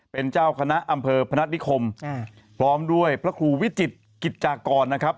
เป็นเจ้าคณะอำเภอพนัฐนิคมพร้อมด้วยพระครูวิจิตกิจจากรนะครับ